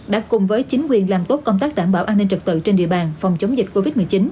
đã cùng với chính quyền làm tốt công tác đảm bảo an ninh trật tự trên địa bàn phòng chống dịch covid một mươi chín